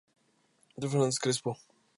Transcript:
D. Fernández Crespo; Av.